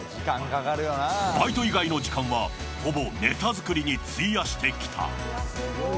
バイト以外の時間はほぼネタ作りに費やしてきた。